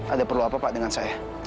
ada perlu apa pak dengan saya